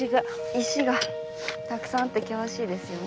石がたくさんあって険しいですよね。